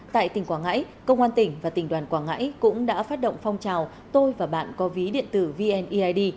tại tỉnh quảng ngãi công an tỉnh và tỉnh đoàn quảng ngãi cũng đã phát động phong trào tôi và bạn có ví điện tử vneid